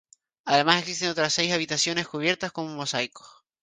Además existen otras seis habitaciones cubiertas con mosaicos.